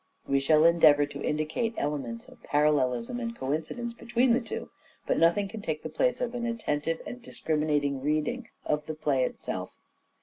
We shall endeavour to indicate elements of parallelism and coincidence between the two, but nothing can take the place of an attentive and dis criminating reading of the play itself.